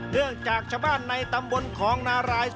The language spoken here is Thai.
เนื่องจากชะบ้านในตำบลของนาราย